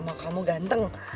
mau kamu ganteng